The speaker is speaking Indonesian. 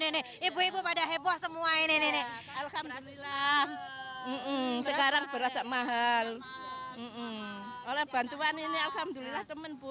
ini ibu ibu pada heboh semua ini alhamdulillah sekarang berasa mahal oleh bantuan ini alhamdulillah teman bu